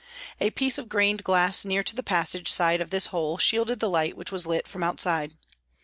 A piece of grained glass near to the passage side of this hole, shielded the light which was lit from outside.